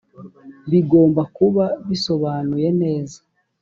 bigomba kuba bisobanuye neza